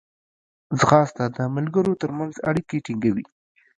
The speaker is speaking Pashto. ځغاسته د ملګرو ترمنځ اړیکې ټینګوي